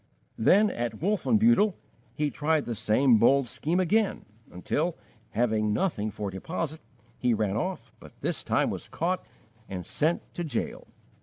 Then, at Wolfenbuttel, he tried the same bold scheme again, until, having nothing for deposit, he ran off, but this time was caught and sent to jail.